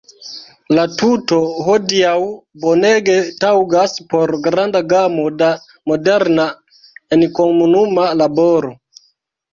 La tuto hodiaŭ bonege taŭgas por granda gamo da moderna enkomunuma laboro.